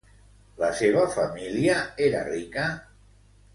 La seva família era rica?